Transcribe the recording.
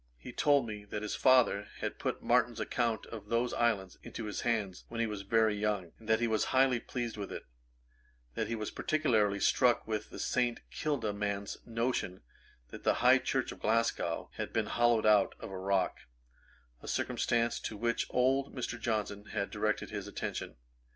He told me, that his father had put Martin's account of those islands into his hands when he was very young, and that he was highly pleased with it; that he was particularly struck with the St. Kilda man's notion that the high church of Glasgow had been hollowed out of a rock; a circumstance to which old Mr. Johnson had directed his attention.